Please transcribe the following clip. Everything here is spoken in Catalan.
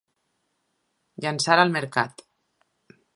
Llançar al mercat.